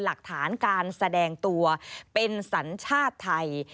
หลักฐานการแสดงตัวเป็นสัญชาติไทย